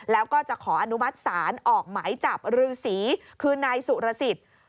แล้วก็จะขออนุมัติศาลออกหมายจับฤษีคือนายสุรสิทธิ์